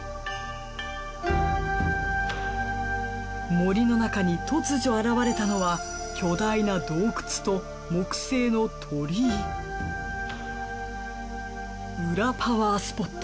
森の中に突如現れたのは巨大な洞窟と木製の鳥居裏パワースポット